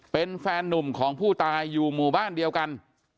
เป็นแฟนนุ่มของผู้ตายอยู่หมู่บ้านเดียวกัน